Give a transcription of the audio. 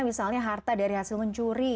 misalnya harta dari hasil mencuri